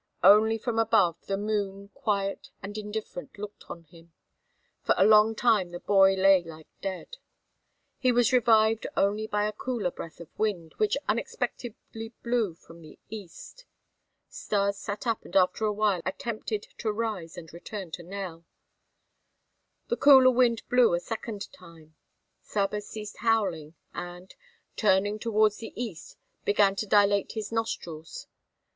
Only from above, the moon, quiet and indifferent, looked on him. For a long time the boy lay like dead. He was revived only by a cooler breath of wind, which unexpectedly blew from the east. Stas sat up and after a while attempted to rise to return to Nell. The cooler wind blew a second time. Saba ceased howling and, turning towards the east, began to dilate his nostrils.